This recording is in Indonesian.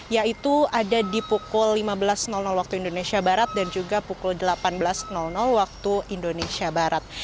yaitu ada di pukul lima belas waktu indonesia barat dan juga pukul delapan belas waktu indonesia barat